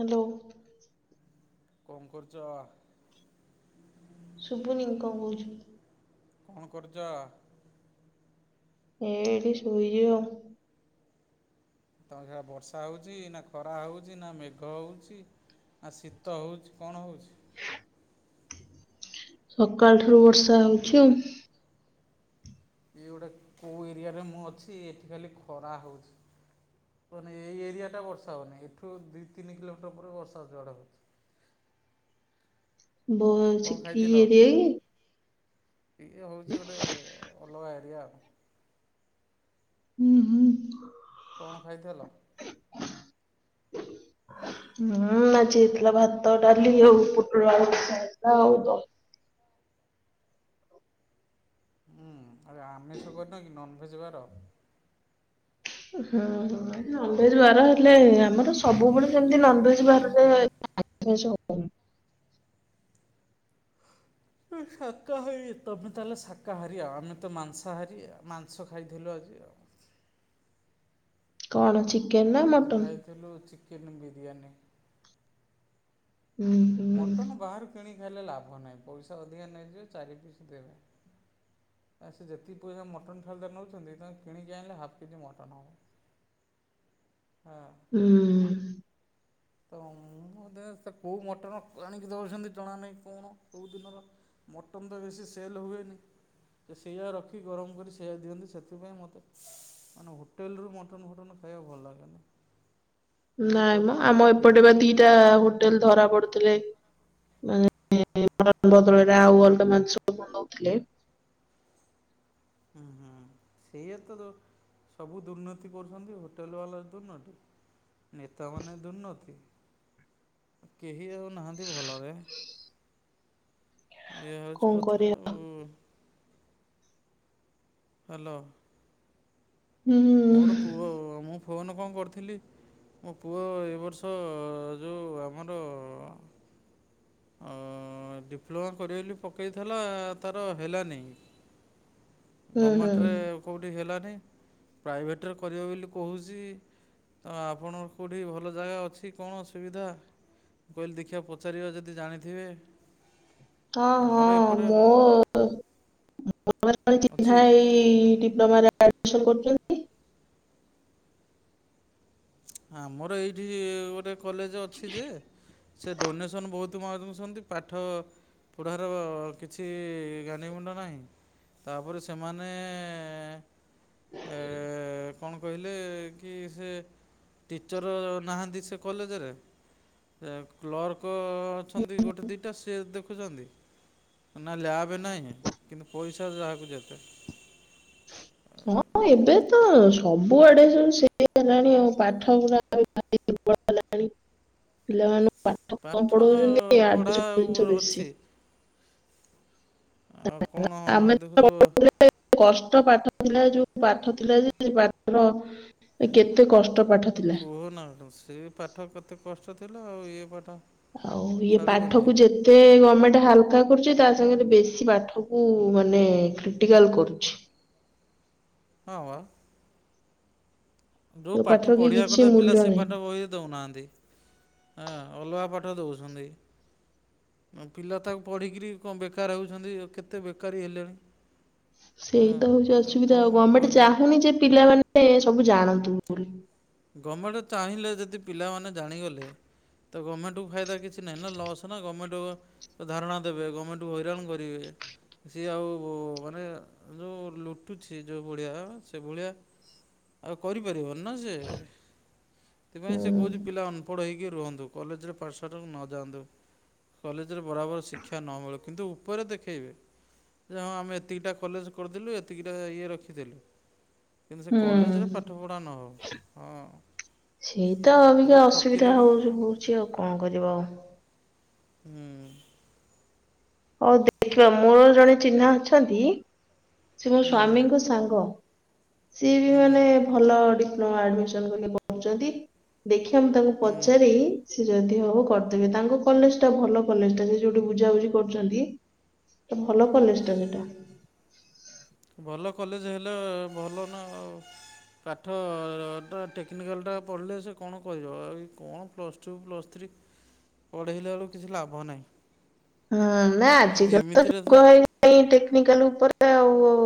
Hello. କଁ କରୁଚ? ଶୁବୁନି କଁ କଉଚୁ। କଣ କରୁଚ? ଏଇଠି ସୋଇଚି ଆଉ। ତମ ସିଆଡ଼େ ବର୍ଷା ହଉଚି ନା ଖରା ହଉଚି ନା ମେଘ ହଉଚି? ଆ ଶୀତ ହେଉଚି କଣ ହେଉଚି? ସକାଳ ଠାରୁ ବର୍ଷା ହଉଚି ଆଉ। ଇଏ ଗୋଟେ କୋଉ ଏରିଆରେ ମୁଁ ଅଛି ଏଠି ଖାଲି ଖରା ହଉଚି। ମାନେ ଏଇ ଏରିଆଟା ବର୍ଷା ହଉନି ଏଠୁ ଦୁଇ ତିନି କିଲୋମିଟର୍ ପରେ ବର୍ଷା ଝଡ଼ ହଉଚି। ବ କଣ ଚିକି ଖାଇଥିଲ? ଏରିଆକି? ଇଏ ହଉଚି ଗୋଟେ ଅଲଗା ଏରିଆ ଆଉ। ଉଁ ହୁଁ। କଣ ଖାଇଥିଲ? ହୁଁ ଆଜି ହେଇଥିଲା ଭାତ ଡାଲି ଆଉ ପୁଟଳ ଆଳୁ ଭଜା ହୋଇଥିଲା ଆଉ କଣ। ହୁଁ ଆରେ ଆମିଷ କରିନକି ନନ୍ ଭେଜ୍ ବାର? ହୁଁ ହୁଁ ନନଭେଜ୍ ବାର ହେଲେ ଆମର ସବୁବେଳେ ସେମିତି ନନଭେଜ୍ ବାରରେ [unintelligible] ନନଭେଜ୍ ହବନି। ଶାକାହାରୀ ତମେ ତାହେଲେ ଶାକାହାରୀ ଆଉ ଆମେତ ମାଂସାହାରି ମାଂସ ଖାଇଥିଲୁ ଆଜି ଆଉ। କଣ ଚିକେନ୍ ନା ମଟନ୍? ଥିଲୁ ଚିକେନ ବିରିୟାନୀ। ହୁଁ। ହୁଁ। ମଟନ୍ ବାହାରୁ କିଣି ଖାଇଲେ ଲାଭ ନାହିଁ ପଇସା ଅଧିକା ନେଇଯିବେ ଚାରି ପିସ୍ ଦେବେ। ଆ ସେ ଯେତିକି ପଇସା ମଟନ୍ ଥାଳିଟା ନଉଚନ୍ତି ତମେ କିଣିକି ଆଣିଲେ ହାଫ୍ କେଜି ମଟନ୍ ହବ। ହଁ। ହୁଁ। ତ ମୁଁ ବୋଧେ ସେକୋଉ ମଟ ମଟନ୍ ଆଣିକି ଦେଉଚନ୍ତି ଜଣା ନାହିଁ କଣ କୋଉ ଦିନର ମଟନ୍ ତ ବେଶୀ ସେଲ୍ ହୁଏନି। ସେ ସେଇୟା ରଖି ଗରମ କରି ସେଇୟା ଦିଅନ୍ତି ସେଥିପାଇଁ ମୋତେ ମାନେ ହୋ ହୋଟେଲରୁ ମଟନ୍ ଫଟନ୍ ଖାଇବାକୁ ଭଲ ଲାଗେନି। ନିଜେ ନାଇମ କରିକି ଖାଇବ ଆମ ଠିକ୍ ଏପଟେବା ଦିଟା ହୋଟେଲ୍ ଧରା ପଡ଼ିଥିଲେ ମାନେ ମଟନ୍ ବଦଳରେ ଆଉ ଅଲଗା ମାଂସ କଣ ଦଉଥିଲେ ହୁଁ ହୁଁ ସେଇଆତ ସବୁ ଦୁର୍ନୀତି କରୁଚନ୍ତି ହୋଟେଲ୍ ବାଲା ଦୁର୍ନୀତି ନେତାମାନେ ଦୁର୍ନୀତି କେହି ଆଉ ନାହାନ୍ତି ଭଲରେ ଏଇଆ ହଉଚି କଣ କଥା। କରିବା ହୁଁ। ହାଲୋ। ହୁଁ ମୋର ପୁଅ ମୁଁ ଫୋନ୍ କଣ କରିଥିଲି ମୋ ପୁଅ ଏ ବର୍ଷ ଯୋଉ ଆମର ଆ ଡିପ୍ଲୋମା କରିବ ବୋଲି ପକେଇଥିଲା ତାର ହେଲାନି। ହୁଁ ହୁଁ ଗମେଣ୍ଟେରେ କେଉଁଠି ହେଲାନି ପ୍ରାଇଭେଟରେ କରିବ ବୋଲି କହୁଚି। ତ ଆପଣ କେଉଁଠି ଭଲ ଜାଗା ଅଛି କଣ ସୁବିଧା ମୁଁ କହିଲି ଦେଖିବା ପଚାରିବା ଯଦି ଜାଣିଥିବେ ହଁ ହଁ ଆମର ଏପଟେ ମୋ ମୋର ଜଣେ ଅଛି ଚିହ୍ନା ଏ ଇ ଡିପ୍ଲୋମାରେ ଆଡମିଶନ୍ କରୁଛନ୍ତି। ଆମର ଏଇଠି ଗୋଟେ କଲେଜ ଅଛି ଯେ, ସେ ଡୋନେସନ୍ ବହୁତ ମାଗୁଛନ୍ତି ପାଠ ପଢ଼ାର କିଛି ଗାଣ୍ଡି ମୁଣ୍ଡ ନାହିଁ। ତାପରେ ସେମାନେ ଏ କଣ କହିଲେ କି ସେ ଟିଚର ନାହାଁନ୍ତି ସେ କଲେଜରେ? ଏ କ୍ଲର୍କ ଅଛନ୍ତି ଗୋଟେ ଦିଟା ସିଏ ଦେଖୁଛନ୍ତି? ନା ଲ୍ୟାବ ନାହିଁ କିନ୍ତୁ ପଇସା ଯାହାକୁ ଯେତେ। [unintelligible] ହଁ ଏବେ ତ ସବୁଆଡେ ସବୁ ସେମ ହେଲାଣି ଆଉ ପାଠ ଗୁରା ଆଉ। ପାଟି ପ୍ରବଳ ହେଲାଣି ପିଲାମାନ ପାଠ କମ୍ ପଢଉଛନ୍ତି ପଢ଼ା ଏଆଡୁ ସିଆଡୁ ଆଉ ଜିନିଷ ଅଛି ବେଶୀ। [inaudible] ଆଉ କ'ଣ ଦେଖୁଛ କଷ୍ଟ ପାଠ ଥିଲା ଯୋଉ ପାଠ ଥିଲା ଯେ ପାଠର କେତେ କଷ୍ଟ ପାଠ ଆ ଥିଲା କୁହନା ସେ ପାଠ କେତେ କଷ୍ଟ ଥିଲା ଆଉ ଇଏ ପାଠ। ଆଉ ଇଏ ଛାଡ଼ିବନି ପାଠକୁ ଯେ ତେ ଗମେଣ୍ଟ ହାଲକା କରୁଛି ତା ସାଙ୍ଗରେ ବେଶୀ ପାଠକୁ ମାନେ କ୍ରିଟିକାଲ୍ କରୁଛି। ହଁ। ଯୋଉ ପାଠ ପାଠର କି ପଢ଼ିବା କିଛି କଥା ପିଲା ମୂଲ୍ୟ ସେ ନାହିଁ। ପାଠ ବହିରେ ଦୋଉନାହାନ୍ତି। ଆ ଅଲଗା ପାଠ ଦଉଛନ୍ତି। ପିଲା ତାକୁ ପଢିକିରି କଣ ବେକାର ହେଉଛନ୍ତି କେତେ ବେକାରୀ ହେଲେଣି। [unintelligible] ସେଇ ତ ହୋଉଚି ଅସୁବିଧା କ'ଣ ଆଉ ଗମେଣ୍ଟ କହିବେ ଚାହୁଁନି ଯେ ପିଲାମାନେେ ସବୁ ଜାଣନ୍ତୁ ବୋଲି। ଗମେଣ୍ଟ ଚାହିଁଲେ ଯଦି ପିଲାମାନେ ଜାଣିଗଲେ ତ ଗମେଣ୍ଟକୁ ଫାଇଦା କିଛି ନାହିଁ ନା ଲସ୍ ନା ଗମେଟକୁ ତ ଧାରଣା ଦେବେ ଗମେଣ୍ଟକୁ ହଇରାଣ କରିବେ। ସିଏ ଆଉ ମାନେ ଯୋଉ ଲୁଟୁଛି ଯୋଉ ଭଳିଆ ସେ ଭଳିଆ ଆଉ କରିପାରିବନି ନା ସେ, ହୁଁ। ସେଥିପାଇଁ ସେ କହୁଛି ପିଲା ଅନପଢ ହେଇକି ରୁହନ୍ତୁ କଲେଜରେ ପାଠଶାଠକୁ ନଯାଆନ୍ତୁ। କଲେଜରେ ବରାବର ଶିକ୍ଷା ନ ମିଳୁ କିନ୍ତୁ ଉପରେ ଦେଖେଇହେବେ। ଯେ ହଁ ଆମେ ଏତିକିଟା କଲେଜ କରିଦେଲୁ, ଏତିକିଟା ଇଏ ରଖିଦେଲୁ। କିନ୍ତୁ ସେ ହୁଁ। କଲେଜରେ ପାଠପଢ଼ା ନ ହଉ। ହଁ ସେଇ ତ ପୁରା ଅବିକା ଅସୁବିଧା ଠକିଲେଣି ଆଉ ହଉଛି ହୁଉଛି ଆଉ କଣ କରିବ ଆଉ। ହୁଁ ହଉ ଦେଖିବା ମୋର ଜଣେ ଚିହ୍ନା ଅଛନ୍ତି, ସେ ମୋ ହୁଁ ହୁଁ ସ୍ଵାମୀଙ୍କ ସାଙ୍ଗ। ସିଏ ବି ହୁଁ ମାନେ ଭଲ ଡିପ୍ଲୋମା ଆଡମିସନ କରିକି ପଢଉଛନ୍ତି। ଦେଖିବା ମୁଁ ତାଙ୍କୁ ପଚାରି ହୁଁ ଯଦି ହବ କରିଦେବେ ତାଙ୍କ କଲେଜ୍ ଟା ଭଲ କଲେଜଟା, ସେ ଯୋଉଠି ବୁଝାବୁଝି କରୁଛନ୍ତି, ତ ଭଲ କଲେଜ ଟା ସେଟା। ଭଲ କଲେଜ ହେଲେ ଭଲ ନା ଆଉ। ପାଠ ଟା ଟେକ୍ନିକାଲଟା ପଢ଼ିଲେ ସେ କଣ କହିବ। ଆଉ ଇଏ କଣ ପ୍ଲସ୍ ଟୁ ପ୍ଲସ୍ ଥ୍ରୀ ପଢ଼େଇଲା ବେଳୁକୁ କିଛି ଲାଭ ନାହିଁ। ହଁ ନା ଆମେ ଆଜିକାଲି ତ ଏମିତିରେ ଯୁଗ ହେଇଗଲାଣି ଟେକ୍ନିକାଲ ଉପରେ ଆଉ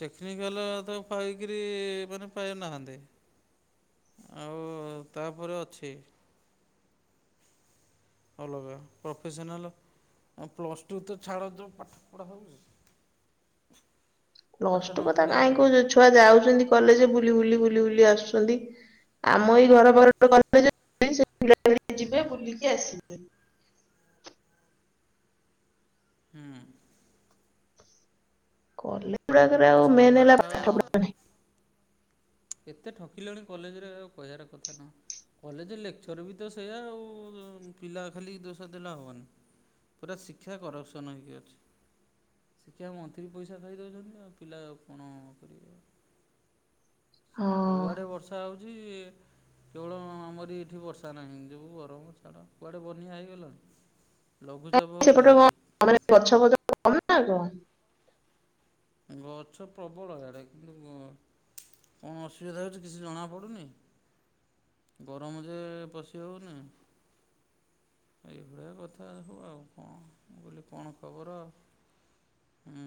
ଟେକ୍ନିକାଲ ତ ପାଇକିରି ମାନେ ପାଇନାହାନ୍ତି। ଆଉ ତାପରେ ଅଛି। ଅଲଗା ପ୍ରଫେସନାଲ, ଆଉ ପ୍ଲସ୍ ଟୁ ତ ଛାଡ଼ ଯୋଉ ପାଠ ପଢ଼ା ହୋଉଚି। ପାଠ ନ ପ୍ଲଷ୍ଟୁ କଥା ପଢ଼ିବା କାହିଁ ଭଲ କହୁଛୁ ଛୁଆ ଯାଉଛନ୍ତି କଲେଜ ବୁଲି, ବୁଲି, ବୁଲି, ବୁଲି ଆସୁଛନ୍ତି। ଆମ ଏଇ ଘର ପାଖରେ ଗୋଟେ କଲେଜ। ନାହିଁ ସେ କଲେଜ୍ ଯିବେ ବୁଲିକି ଆସିବେ। ହୁଁ। କଲେଜ ଗୁଡାକରେ ଆଉ ସେ ପା ମେନ୍ ପାଠ ହେଲା ପାଠପଢ଼ା ନାହିଁ। କେତେ ଠକିଲୁଣି କଲେଜରେ ଆଉ କହିବାର କଥା ନୁହିଁ। କଲେଜ ଲେକ୍ଚର ବି ତ ସେଇୟା ଆଉ ପିଲା ଖାଲି ଦୋଷ ଦେଲେ ହବନି। ପୁରା ଶିକ୍ଷା କରପସନ୍ ହେଇକି ଅଛି। ଶିକ୍ଷାମନ୍ତ୍ରୀ ପଇସା ଖାଇ ଦେଉଚନ୍ତି, ଆଉ ପିଲା କଣ କରିବେ। ହଁ କୁଆଡେ ବର୍ଷା ହଉଚି? କେବଳ ଆମରି ଏଠି ବର୍ଷା ନାହିଁ, ଯୋଉ ଗରମ ଛାଡ଼ କୁଆଡ଼େ ବନ୍ୟା ହେଇଗଲା। ଲଘୁଚାପ କାହିଁ ହଉଚି ସେପଟେ କଣ ହଁ ହଁ। ମାନେ [unintelligible] ଗଛ ପ୍ରବଳ ଏଡ଼େ କିନ୍ତୁ ଗ କଣ ଅସୁବିଧା ହେଉଚି କିଛି ଜଣାପଡ଼ୁନି। ଗରମ ଯେ ପଶି ହେଉନି। ଏଇଭଳିଆ କଥା ହଉ ଆଉ କଣ, ମୁ କହିଲି କଣ ଖବର? ହୁଁ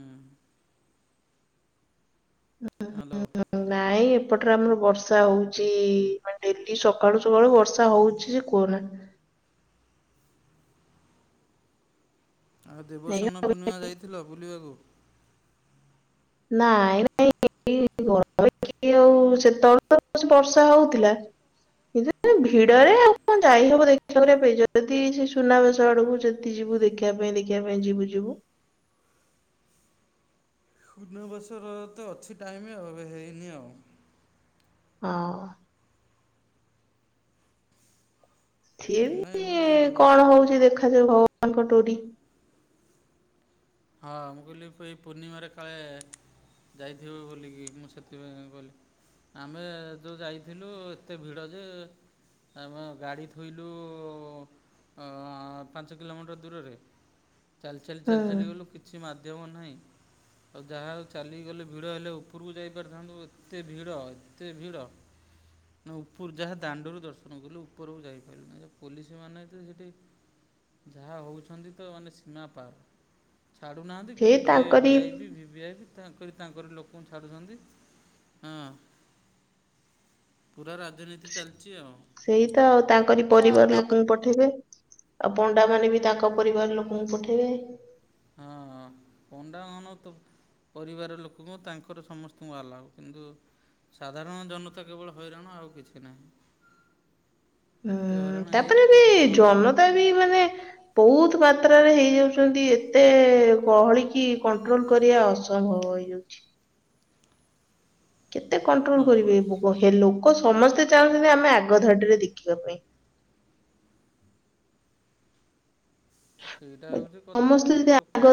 ହ୍ୟାଲୋ ହୁଁ, ନାଇଁ ଏପଟେ ଆମର ବର୍ଷା ହଉଚି ଡେଲି ସକାଳୁ ସକାଳୁ ବର୍ଷା ହଉଚି। କୁହନା ଆଉ ଦେବସ୍ନାନ ପୂର୍ଣ୍ଣିମା ଏଇ ଯାଇଥିଲ ବୁଲିବାକୁ? ନାଇଁ ନାଇଁ [inaudible] ଯେତେ ଭିଡ଼ରେ ହୁଁ କଣ ଯାଇହବ ଦେଖିବା କରିବା ପାଇଁ, ଯଦି ସେ ସୁନାବେଶ ଆଡକୁ ଯଦି ଯିବୁ ଦେଖିବା ପାଇଁ ଦେଖିବା ପାଇଁ ଯିବୁ, ଯିବୁ। ସୁନାବେଶର ତ ଅଛି ଟାଇମ୍ ଆଉ ହେଇନି ଆଉ। ହଁ ଏ ନାଇଁ ବି ବୋଲି ଦେବ କଣ ହଉଛି ଦେଖାଯାଉ ଭଗବାନଙ୍କ ଡୋରି। ହଁ ମୁଁ କହିଲି ଏବେ ଏଇ ପୂର୍ଣ୍ଣିମାରେ କାଳେ ଯାଇଥିବ ବୋଲିକି ମୁଁ ସେଥିପାଇଁ ଗଲି। ଆମେ ଯେଉଁ ଯାଇଥିଲୁ ଏତେ ଭିଡ଼ ଯେ ଆମ ଗାଡ଼ି ଥୋଇଲୁ ହଁ ପାଞ୍ଚ କିଲୋମିଟର ଦୂରରେ, ଚାଲି, ଚାଲି, ହୁଁ ଚାଲି, ଚାଲିଗଲୁ। କିଛି ମାଧ୍ୟମ ନାହିଁ। ଆଉ ଯାହଉ ଚାଲିଗଲେ ଭିଡ଼ ହେଲେ ଉପରକୁ ଯାଇପାରିଥାନ୍ତୁ ଏତେ ଭିଡ଼, ଏତେ ଭିଡ଼। ନା ଉପରୁ ଯାହା ଦାଣ୍ଡୁରୁ ଦର୍ଶନ କଲୁ, ଉପରକୁ ଯାଇପାଇଲୁ ନେଇ, ପୋଲିସ ମାନେ ତ ସେଠି। ଯାହା ହେଉଛନ୍ତି ତ ମାନେ ସୀମା ପାର। ଛାଡ଼ୁନାହାନ୍ତି ସେଇ କିନ୍ତୁ ଯିଏ ତାଙ୍କରି ଭିଆଇ ବି ଭିଭିିଆଇପି ତାଙ୍କରି ତାଙ୍କରି ଲୋକଙ୍କୁ ଛାଡ଼ୁଛନ୍ତି ହଁ। ପୁରା ରାଜନୀତି ଚାଲିଚି ଆଉ। ସେଇ ତ ଆଉ ତାଙ୍କରି ତ ପରିବାର ତାଙ୍କ ଲୋକଙ୍କୁ ପ ପଠେଇବେ ଆଉ ପଣ୍ଡା ମାନେ ବି ତାଙ୍କ ପରିବାର ଲୋକଙ୍କୁ ପଠେଇବେ। ହଁ ହଁ ପଣ୍ଡା ମାନେ ତ ପରିବାର ଲୋକଙ୍କୁ ତାଙ୍କର ସମସ୍ତଙ୍କୁ ଆଲାଉ। କିନ୍ତୁ ସାଧାରଣ ଜନତା କେବଳ ହଇରାଣ ଆଉ କିଛି ନାହିଁ। ଏତେ ହୁଁ ହଇରାଣ ତାପରେ ହେଇ ବି ଗୋଟେ ଦିନ ଜନତା ରହିଲୁ ବି ମାନେ ବହୁତ ମାତ୍ରାରେ ହେଇଯାଉଛନ୍ତି ଏତେ ଗହଳ କିି କଣ୍ଟ୍ରୋଲ କରିବା ଅସ ଅସମ୍ଭବ ହେଇଯାଉଛି। କେତେ କଣ୍ଟ୍ରୋଲ ହଁ କରିବେ ଏ ବସ୍ [unintelligible] ହେ ଲୋକ ସମସ୍ତେ ଚାହୁଁଛନ୍ତି ଆମେ ଆଗ ଧାଡିରେ ଦେଖିବା ପାଇଁ। ସେଇଟା ବାକି ହଉଛି କଥା ସମସ୍ତେ ଆଉ ଯଦି ଆଗ ଲୋକ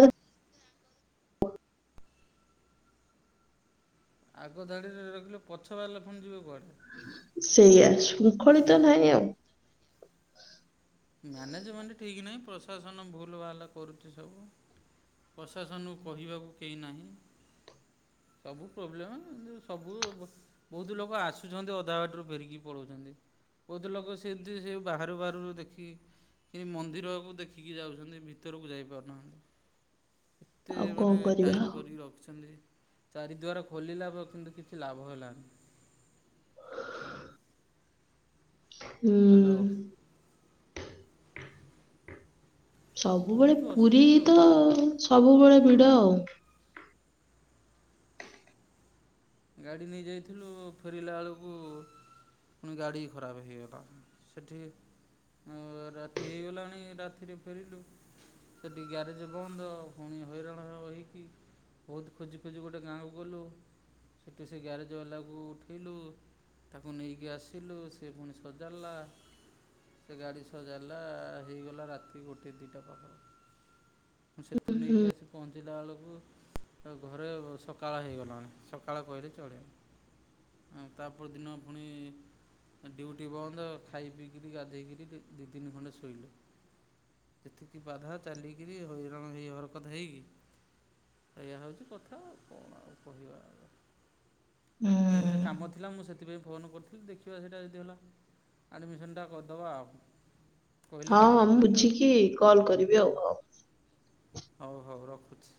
ଆଗ ଧାଡ଼ିରେ ରଖିଲେ ପଛ ବାଲା ଫୁଣି ଯିବ କୁଆଡ଼େ। ସେଇଆ ଶୃଙ୍ଖଳିତ ନାହିଁ ଆଉ ମ୍ୟାନେଜମେଣ୍ଟ ଠିକ ନାହିଁ ପ୍ରଶାସନ ଭୁଲ ଭାଲେ କରୁଛି ସବୁ। ପ୍ରଶାସନକୁ କହିବାକୁ କେହି ନାହିଁ। ସବୁ ପ୍ରୋବ୍ଲେମେ କିନ୍ତୁ ସବୁ ବୁ ବହୁତ ଲୋକ ଆସୁଛନ୍ତି ଅଧା ବାଟରୁ ଫେରିକି ପଳାଉଛନ୍ତି। ବହୁତ ଲୋକ ସେମିତି ସେ ବାହାରୁ ବାହାରୁରୁ ଦେଖେ କି କି ମନ୍ଦିରକୁ ଦେଖିକି ଯାଉଚନ୍ତି ଭିତରକୁ ଯାଇପାରୁନାହାନ୍ତି। କେତେ ଆଉ କଣ ମାନେ କରିବା ଟାଇଟ୍ ଆଉ। କରିକି ରଖିଛନ୍ତି। ଚାରି ଦ୍ୱାର ଖୋଲିଲା ପ କିନ୍ତୁ କିଛି ଲାଭ ହେଲାନି। [inaudible] [inaudible] ହ୍ୟାଲୋ ସବୁବେଳେ ବହୁତ ପୁରୀ ଅସୁବିଧା ତ ରହୁଛି। ସବୁବେଳେ ଭିଡ ଆଉ। ଗାଡ଼ି ନେଇ ଯାଇଥିଲୁ ଫେରିଲା ବେଳକୁ ପୁଣି ଗାଡି ଖରାପ ହେଇଗଲା ସେଠି ହଁ ରାତି ହେଇଗଲାଣି ରାତିରେ ଫେରିଲୁ। ସେଟି ଗ୍ୟାରେଜ ବନ୍ଦ ପୁଣି ହଇରାଣ ହି କି ବହୁତ ଖୋଜି ଖୋଜି ଗୋଟେ ଗାଁକୁ ଗଲୁ। ସେଠୁ ସେ ଗ୍ୟାରେଜ୍ ବାଲାକୁ ଉଠେଇଲୁ। ତାକୁ ନେଇକି ଆସିଲୁ ସେ ପୁଣି ସଜାଡ଼ିଲା। ସେ ଗାଡ଼ି ସଜାଡ଼ିଲା ହେଇଗଲା ରାତି ଗୋଟେ ଦୁଇଟା ପାଖାପାଖି। ସେଠୁ ହୁଁ ହୁଁ ନେଇକି ଆସି ପହଞ୍ଚିଲା ବେଳକୁ ଘରେ ସକାଳ ହେଇଗଲାଣି ସ ସକାଳ କହିଲେ ଚଳେ। ତାପରଦିନ ଫୁଣି ଡ୍ୟୁଟି ବନ୍ଦ ଖାଇ ପିଇକିରି ଗାଧୋଇକିରି ଦିଇ ତିନି ଘଣ୍ଟ ଶୋଇଲୁ। ଯେତିକି ବାଧା ଚାଲିକିରି ହଇରାଣ ହେଇ ହରକତ ହେଇକି ଏଇଆ ହଉଛି କଥା ଆଉ କଣ ଆଉ କହିବା ଆଗା ହୁଁ ତମର ସେ କାମ ଥିଲା ମୁଁ ସେଥିପାଇଁ ଫୋନ କରିଥିଲି ଦେଖିବା ସେଇଟା ଯଦି ହେଲା। ଆଡ଼ମିସନ୍ ଟା କରିଦେବା ଆଉ। କହିଲେ ହଁ ମୋତେ ହଁ ମୁଁ ଜଣାଇଲେ ଆଉ ବୁଝିକି କଲ୍ କରିବି ଆଉ ହଉ। ହଉ ହଉ ରଖୁଛି।